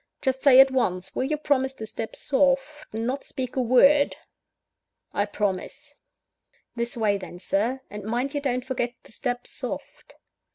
Just say at once, will you promise to step soft, and not speak a word?" "I promise." "This way then, Sir and mind you don't forget to step soft."